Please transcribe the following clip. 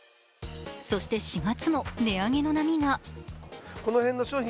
そして、４月も値上げの波が。